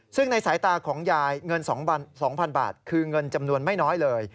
ซึ่งในสายตาของยายเงิน๒๐๐๐บาทคือเงินจำนวนไม่น้อยเลย